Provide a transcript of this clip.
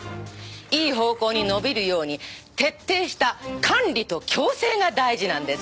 いい方向に伸びるように徹底した管理と矯正が大事なんです。